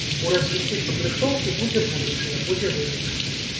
У развіцці падрыхтоўкі будзе будучыня, будзе вынік.